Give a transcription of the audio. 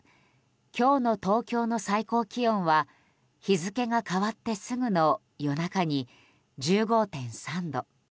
今日の東京の最高気温は日付が変わってすぐの夜中に１５．３度。